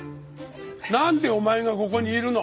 なんでお前がここにいるの？